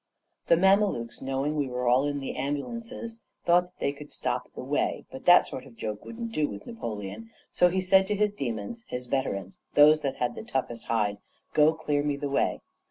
"The Mamelukes, knowing we were all in the ambulances, thought they could stop the way; but that sort of joke wouldn't do with Napoleon. So he said to his demons, his veterans, those that had the toughest hide, 'Go, clear me the way.'